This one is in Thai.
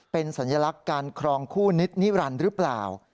เป็นสัญลักษณ์การครองคู่นิดนิรันดิ์หรือเปล่า